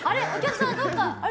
あれ？